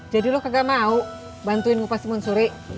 jadi lo kagak mau bantuin ngupas timun suri